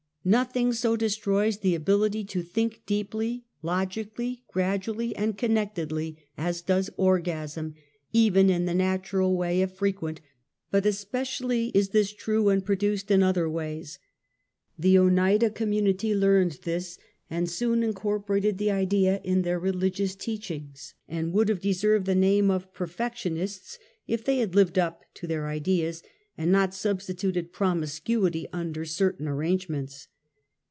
ISTothing so destroys the ability to think deeply, logically, gradually and connectedly as does orgasm even in the natural way if frequent, but especially in this true when produced in other ways. The Oneida communit}^ learned this, and soon incorporated the idea in their religious teachings, and would have deserved the name of "Perfection ists,"' if they had lived up to their ideas, and not /substituted promiscuity under certain arrange \ ments.